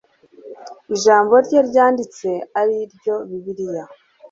Ijambo rye ryanditse ari ryo Bibiliya,